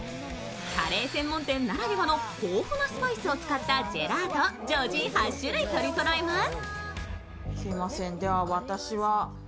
カレー専門店ならではの豊富なスパイスを使ったジェラートを常時８種類取りそろえます。